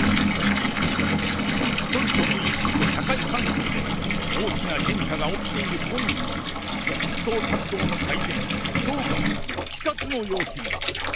人々の意識と社会環境で、大きな変化が起きている今日、思想活動の改善・強化は死活の要求だ。